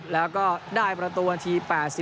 แล้วก็ได้ประตูนาที๘๔